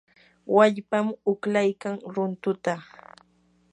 wallpam uqlaykan runtunta.